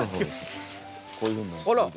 こういうふうに。